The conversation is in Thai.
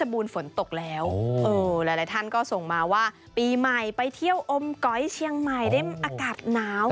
หลายท่านก็ส่งมาว่าปีใหม่ไปเที่ยวอมกร้อยเชียงใหม่ได้อากาศหนาวกลับมา